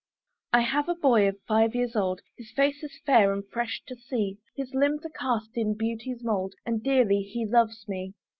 I have a boy of five years old, His face is fair and fresh to see; His limbs are cast in beauty's mould, And dearly he loves me.